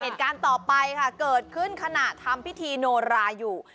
เหตุการณ์ต่อไปค่ะเกิดขึ้นขณะทำพิธีโนราอยู่